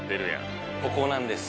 ここなんです。